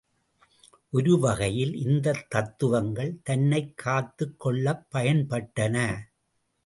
ஒருவகையில் இந்தத் தத்துவங்கள் தன்னைக் காத்துக் கொள்ளப் பயன் பட்டன.